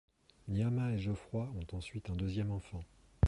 Niama et Geoffroy ont ensuite un deuxième enfant.